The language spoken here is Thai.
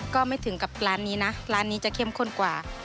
ก็ไม่ถึงกับร้านนี้นะร้านนี้จะเข้มข้นกว่า